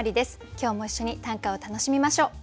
今日も一緒に短歌を楽しみましょう。